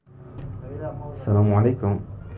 کشیک شب